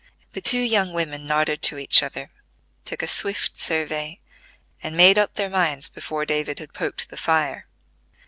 The two young women nodded to each other, took a swift survey, and made up their minds before David had poked the fire.